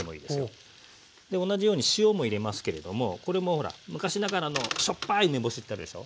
で同じように塩も入れますけれどもこれもほら昔ながらのしょっぱい梅干しってあるでしょ。